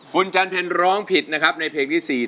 คุณจันเพ็ญร้องผิดนะครับในเพลงที่๔